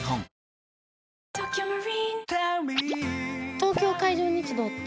東京海上日動って？